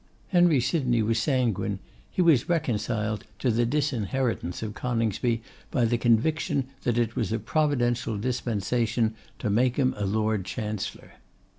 Henry Sydney was sanguine; he was reconciled to the disinheritance of Coningsby by the conviction that it was a providential dispensation to make him a Lord Chancellor.